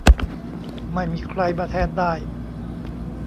ไม่มีใครมาแทนได้